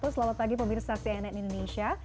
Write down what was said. selamat pagi pemirsa cnn indonesia